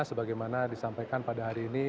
sebagaimana disampaikan pada hari ini